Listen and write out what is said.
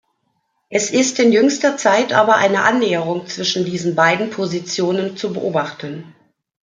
Es ist in jüngster Zeit aber eine Annäherung zwischen diesen beiden Positionen zu beobachten.